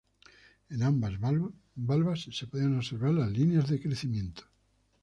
En ambas valvas se pueden observar las líneas de crecimiento.